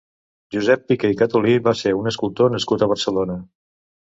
Josep Piquet i Catulí va ser un escultor nascut a Barcelona.